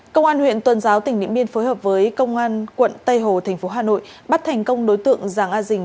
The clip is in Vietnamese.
công an huyện tuần giáo tỉnh điện biên phối hợp với công an quận tây hồ thành phố hà nội bắt thành công đối tượng giàng a dình